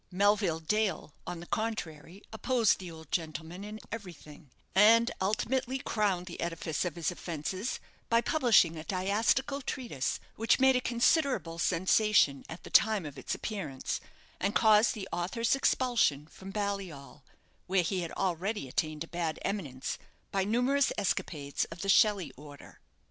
Melville Dale, on the contrary, opposed the old gentleman in everything, and ultimately crowned the edifice of his offences by publishing a deistical treatise, which made a considerable sensation at the time of its appearance, and caused the author's expulsion from Balliol, where he had already attained a bad eminence by numerous escapades of the Shelley order.